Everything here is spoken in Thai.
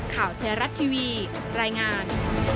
ข่าวเทราะห์ทีวีรายงาน